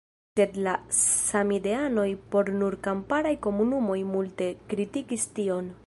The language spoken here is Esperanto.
Sed la samideanoj por nur kamparaj komunumoj multe kritikis tion.